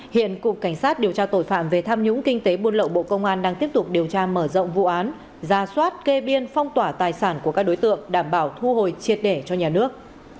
hiện cục cảnh sát điều tra tội phạm về tham nhũng kinh tế buôn lậu bộ công an đang tiếp tục điều tra mở rộng vụ án ra soát kê biên phong tỏa tài sản của các đối tượng đảm bảo thu hồi triệt để cho nhà nước